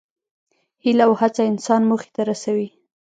هیله او هڅه انسان موخې ته رسوي.